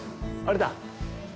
あれだ。